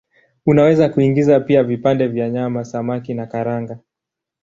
Unaweza kuingiza pia vipande vya nyama, samaki na karanga.